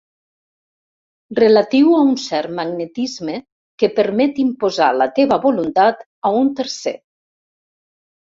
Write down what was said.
Relatiu a un cert magnetisme que permet imposar la teva voluntat a un tercer.